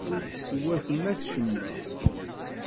Ur teswatam acemma.